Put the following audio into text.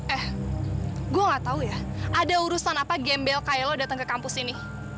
eh gue gak tau ya ada urusan apa gembel cailo datang ke kampus ini